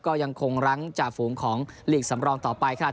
ก็ยังคงรั้งจ่าฝูงของลีกสำรองต่อไปค่ะ